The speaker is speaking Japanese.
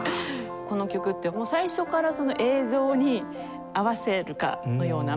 この曲って最初からその映像に合わせるかのような。